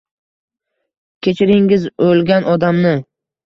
Kechiringiz oʻlgan odamni.